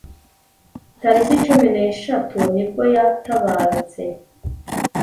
tariki cumi neshatu nibwo yatabarutse